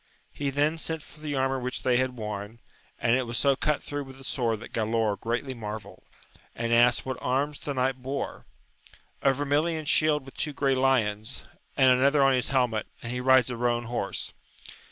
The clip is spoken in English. He then sent for the armour which they had worn, and it was so cut through with the sword that Galaor greatly mar velled, and asked what anna IVl^ 'km^X* \i^ ^^,— K 222 AMADIS OF GAUL. vennilion shield with two grey lions, and another on his helmet, and he rides a roan horse.